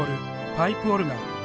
パイプオルガン。